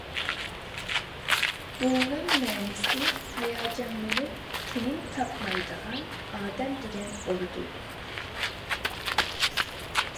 بۇنىڭ مەنىسى ھاياجانلىنىپ تېنىم تاپمايدىغان ئادەم دېگەن بولىدۇ.